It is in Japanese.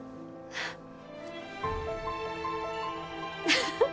フフフ。